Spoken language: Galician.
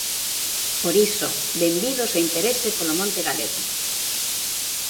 Por iso, benvidos ao interese polo monte galego.